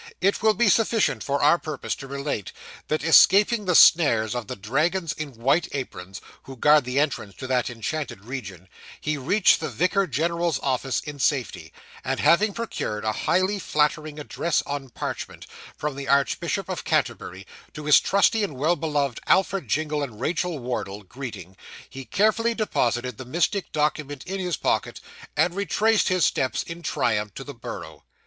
It will be sufficient for our purpose to relate, that escaping the snares of the dragons in white aprons, who guard the entrance to that enchanted region, he reached the vicar general's office in safety and having procured a highly flattering address on parchment, from the Archbishop of Canterbury, to his 'trusty and well beloved Alfred Jingle and Rachael Wardle, greeting,' he carefully deposited the mystic document in his pocket, and retraced his steps in triumph to the Borough.